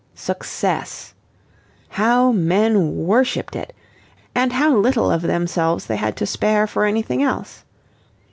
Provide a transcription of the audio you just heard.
Success! How men worshipped it, and how little of themselves they had to spare for anything else.